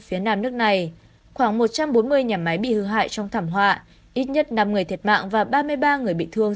phía nam nước này khoảng một trăm bốn mươi nhà máy bị hư hại trong thảm họa ít nhất năm người thiệt mạng và ba mươi ba người bị thương